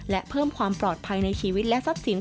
และเพิ่มความปลอดภัยในชีวิตและทรัพย์สิน